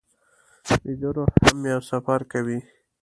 ویده روح هم یو سفر کوي